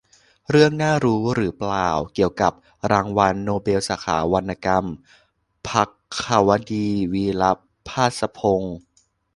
เรื่องน่ารู้ หรือเปล่า ? เกี่ยวกับรางวัลโนเบลสาขาวรรณกรรม - ภัควดี วีระภาสพงษ์